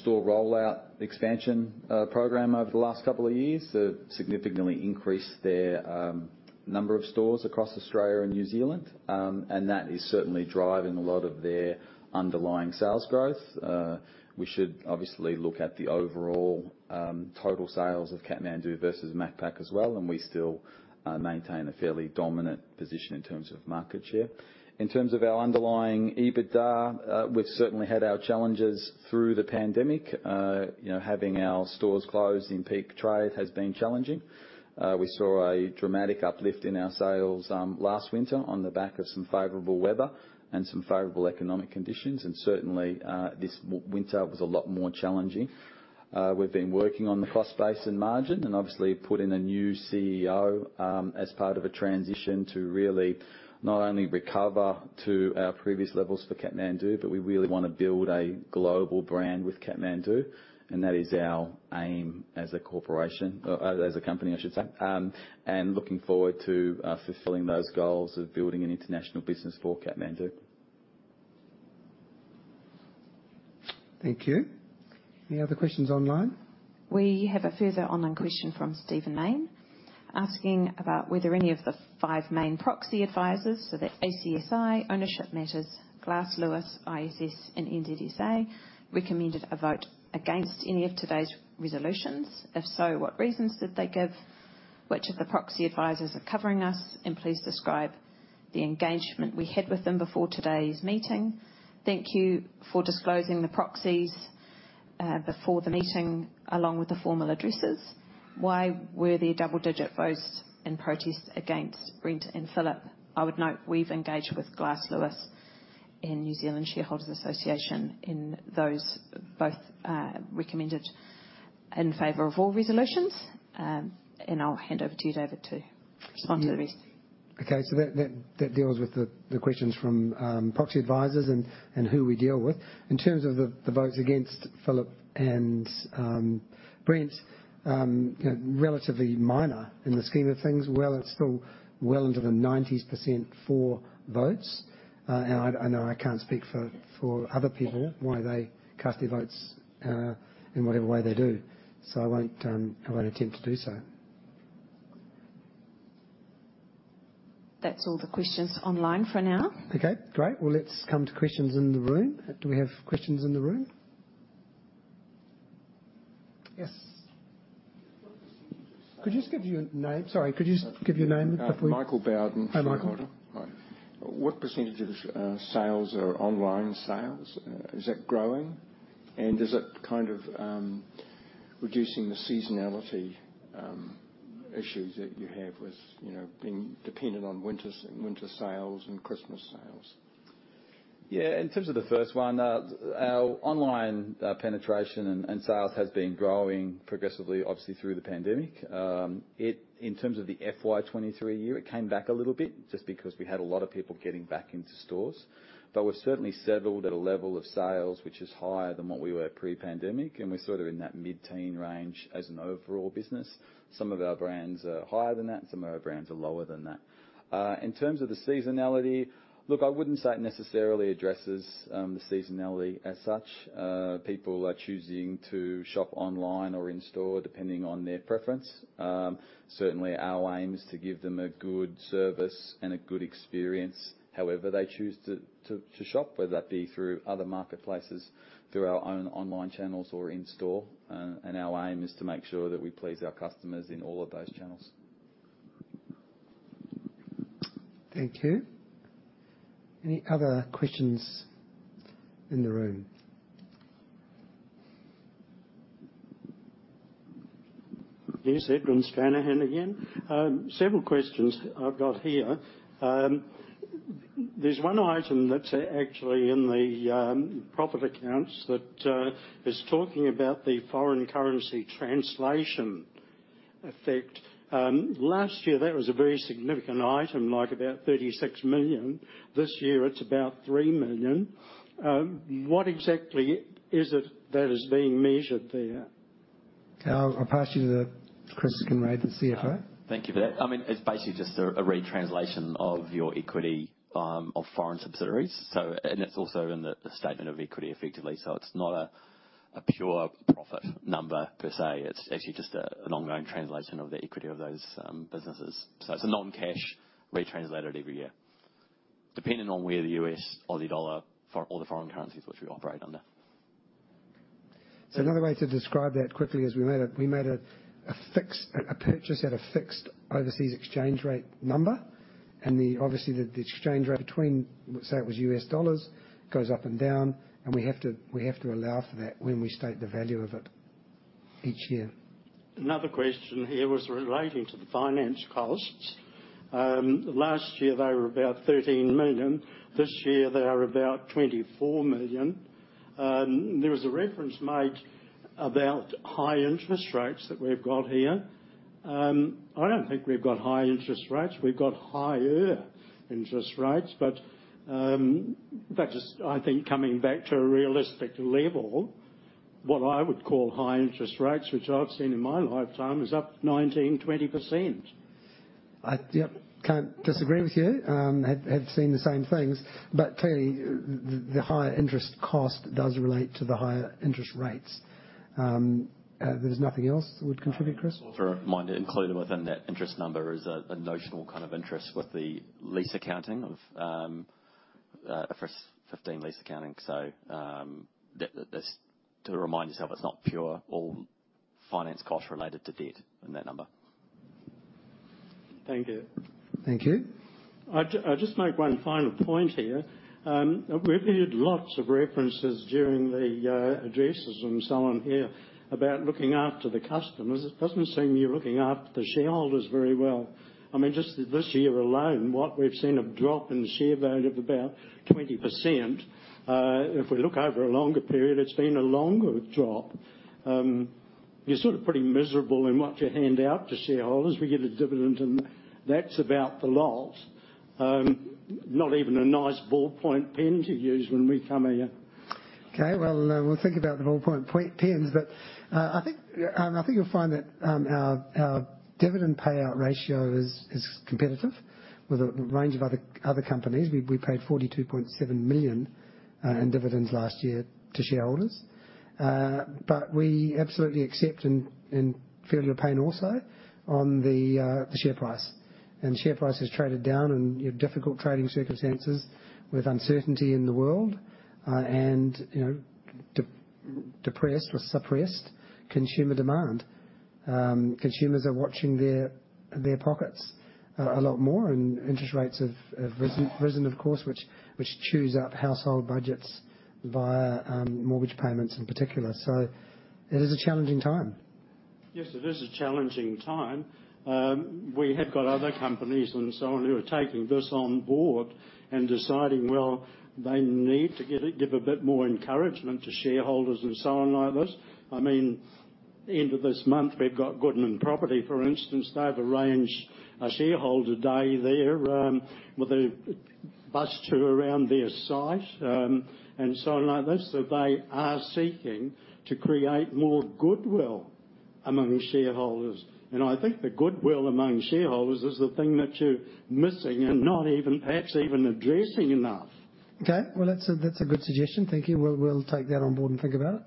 store rollout expansion program over the last couple of years. They've significantly increased their number of stores across Australia and New Zealand. And that is certainly driving a lot of their underlying sales growth. We should obviously look at the overall total sales of Kathmandu versus Macpac as well, and we still maintain a fairly dominant position in terms of market share. In terms of our underlying EBITDA, we've certainly had our challenges through the pandemic. You know, having our stores closed in peak trade has been challenging. We saw a dramatic uplift in our sales last winter on the back of some favorable weather and some favorable economic conditions, and certainly this winter was a lot more challenging. We've been working on the cost base and margin, and obviously, put in a new CEO, as part of a transition to really not only recover to our previous levels for Kathmandu, but we really want to build a global brand with Kathmandu, and that is our aim as a corporation, as a company, I should say. And looking forward to fulfilling those goals of building an international business for Kathmandu. Thank you. Any other questions online? We have a further online question from Stephen Mayne, asking about whether any of the five main proxy advisors, so that's ACSI, Ownership Matters, Glass Lewis, ISS, and NZSA, recommended a vote against any of today's resolutions. If so, what reasons did they give? Which of the proxy advisors are covering us, and please describe the engagement we had with them before today's meeting. Thank you for disclosing the proxies before the meeting, along with the formal addresses. Why were there double-digit votes in protest against Brent and Philip? I would note, we've engaged with Glass Lewis and New Zealand Shareholders Association in those. Both recommended in favor of all resolutions. And I'll hand over to you, David, to respond to the rest. Okay. So that deals with the questions from proxy advisors and who we deal with. In terms of the votes against Philip and Brent, you know, relatively minor in the scheme of things. Well, it's still well into the 90s% for votes. And I know I can't speak for other people, why they cast their votes in whatever way they do, so I won't, I won't attempt to do so. That's all the questions online for now. Okay, great. Well, let's come to questions in the room. Do we have questions in the room? Yes. What percentage of sales- Could you just give your name? Sorry, could you just give your name, please? Michael Bowden from Waterloo. Hi, Michael. Hi. What percentage of sales are online sales? Is that growing? And is it kind of reducing the seasonality issues that you have with, you know, being dependent on winters, winter sales and Christmas sales? Yeah, in terms of the first one, our online penetration and sales has been growing progressively, obviously, through the pandemic. In terms of the FY 2023 year, it came back a little bit, just because we had a lot of people getting back into stores. But we're certainly settled at a level of sales which is higher than what we were pre-pandemic, and we're sort of in that mid-teen range as an overall business. Some of our brands are higher than that, and some of our brands are lower than that. In terms of the seasonality, look, I wouldn't say it necessarily addresses the seasonality as such. People are choosing to shop online or in store, depending on their preference. Certainly, our aim is to give them a good service and a good experience however they choose to shop, whether that be through other marketplaces, through our own online channels or in-store. And our aim is to make sure that we please our customers in all of those channels.... Thank you. Any other questions in the room? Yes, Edward Stranahan again. Several questions I've got here. There's one item that's actually in the profit accounts that is talking about the foreign currency translation effect. Last year, that was a very significant item, like about 36 million. This year it's about 3 million. What exactly is it that is being measured there? I'll pass you to Chris Kinraid, the CFO. Thank you for that. I mean, it's basically just a retranslation of your equity of foreign subsidiaries. So and it's also in the statement of equity effectively. So it's not a pure profit number per se. It's actually just an ongoing translation of the equity of those businesses. So it's a non-cash retranslated every year, depending on where the U.S., Aussie dollar, for all the foreign currencies which we operate under. So another way to describe that quickly is we made a fixed purchase at a fixed overseas exchange rate number, and obviously the exchange rate between, say, it was U.S. dollars, goes up and down, and we have to allow for that when we state the value of it each year. Another question here was relating to the finance costs. Last year they were about 13 million, this year they are about 24 million. There was a reference made about high interest rates that we've got here. I don't think we've got high interest rates. We've got higher interest rates, but, that is, I think, coming back to a realistic level. What I would call high interest rates, which I've seen in my lifetime, is 19%-20%. Yep, can't disagree with you. Have seen the same things, but clearly, the higher interest cost does relate to the higher interest rates. There's nothing else that would contribute, Chris? Well, for a minute, included within that interest number is a notional kind of interest with the lease accounting of IFRS 15 lease accounting. So, that's to remind yourself, it's not purely all finance costs related to debt in that number. Thank you. Thank you. I'll just make one final point here. We've heard lots of references during the addresses and so on here about looking after the customers. It doesn't seem you're looking after the shareholders very well. I mean, just this year alone, what we've seen, a drop in share value of about 20%. If we look over a longer period, it's been a longer drop. You're sort of pretty miserable in what you hand out to shareholders. We get a dividend, and that's about the lot. Not even a nice ballpoint pen to use when we come here. Okay, well, we'll think about the ballpoint pens, but I think you'll find that our dividend payout ratio is competitive with a range of other companies. We paid 42.7 million in dividends last year to shareholders. But we absolutely accept and feel your pain also on the share price. Share price has traded down in difficult trading circumstances with uncertainty in the world, and, you know, depressed or suppressed consumer demand. Consumers are watching their pockets a lot more, and interest rates have risen, of course, which chews up household budgets via mortgage payments in particular. So it is a challenging time. Yes, it is a challenging time. We have got other companies and so on who are taking this on board and deciding, well, they need to get it, give a bit more encouragement to shareholders and so on like this. I mean, end of this month, we've got Goodman Property, for instance. They've arranged a shareholder day there, with a bus tour around their site, and so on like this. So they are seeking to create more goodwill among shareholders. And I think the goodwill among shareholders is the thing that you're missing and not even, perhaps even addressing enough. Okay, well, that's a, that's a good suggestion. Thank you. We'll, we'll take that on board and think about it.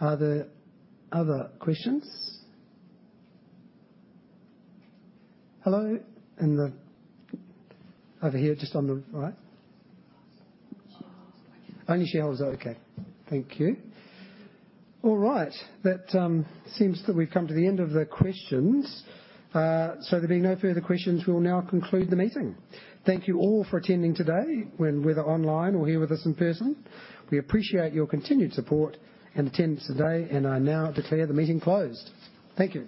Are there other questions? Hello, in the... Over here, just on the right. Shareholders. Only shareholders, okay. Thank you. All right, that seems that we've come to the end of the questions. So there being no further questions, we'll now conclude the meeting. Thank you all for attending today, whether online or here with us in person. We appreciate your continued support and attendance today, and I now declare the meeting closed. Thank you.